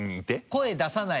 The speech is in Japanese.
声出さない。